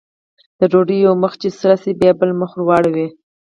د ډوډۍ یو مخ چې سره شي بیا یې بل مخ ور اړوي.